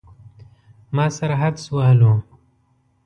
ما سره حدس وهلو.